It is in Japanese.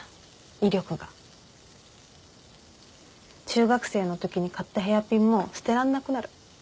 中学生のときに買ったヘアピンも捨てらんなくなる。